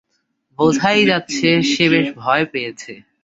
বোঝাই যাচ্ছে সে বেশ ভয় পেয়েছে।